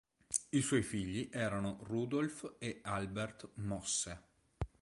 I suoi figli erano Rudolf e Albert Mosse.